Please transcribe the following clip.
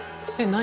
何？